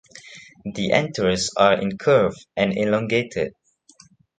The anthers are incurved and elongated.